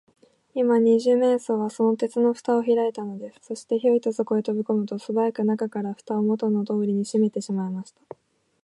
今、二十面相は、その鉄のふたをひらいたのです。そして、ヒョイとそこへとびこむと、すばやく中から、ふたをもとのとおりにしめてしまいました。